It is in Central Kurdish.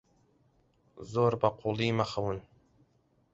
زۆر بەقووڵی مەخەون.